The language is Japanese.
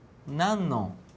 何の？